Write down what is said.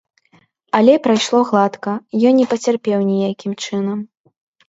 Але прайшло гладка, ён не пацярпеў ніякім чынам.